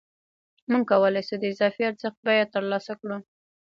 موږ کولای شو د اضافي ارزښت بیه ترلاسه کړو